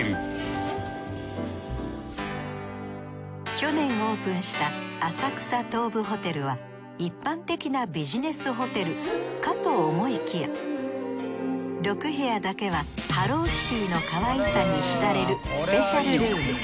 去年オープンした浅草東武ホテルは一般的なビジネスホテルかと思いきや６部屋だけはハローキティのかわいさに浸れるスペシャルルーム。